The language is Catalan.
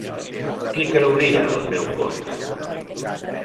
Qui creuria el meu conte?